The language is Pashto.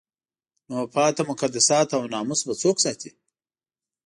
نو پاتې مقدسات او ناموس به څوک ساتي؟